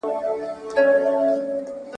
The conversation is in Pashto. کېدای سي کتاب اوږد وي!